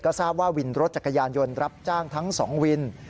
ก็ทราบว่าวินรถจักรยานยนต์รับจ้างทั้ง๒วิน